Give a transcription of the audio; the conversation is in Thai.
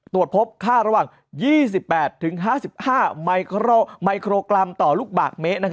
ตรวจพบค่าระหว่าง๒๘๕๕มิโครกรัมต่อลูกบาทเมตร